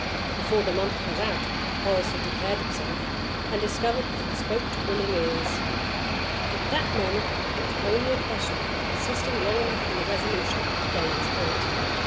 Before the month was out Horace had declared himself, and had discovered that he spoke to willing ears. From that moment it was only a question of persisting long enough in the resolution to gain his point.